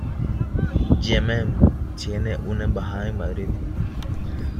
Yemen tiene una embajada en Madrid.